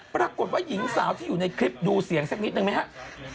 ปรากฏว่าหญิงสาวที่อยู่ในคลิปดูเสียงสักนิดนึงไหมครับ